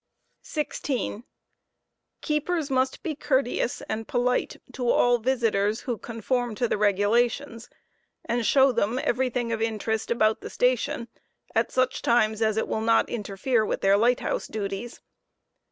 * viator* 16. Keepers must be courteous and polite to all visitors who conform to the regu lations, and show them everything of interest about the station at such times as it will not interfere with their light house duties.